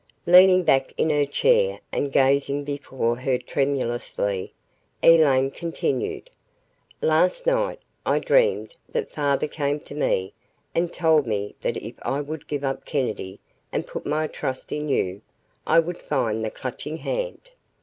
Leaning back in her chair and gazing before her tremulously, Elaine continued, "Last night, I dreamed that father came to me and told me that if I would give up Kennedy and put my trust in you, I would find the Clutching Hand.